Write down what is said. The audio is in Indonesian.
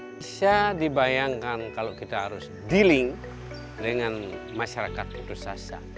bisa dibayangkan kalau kita harus dealing dengan masyarakat berusaha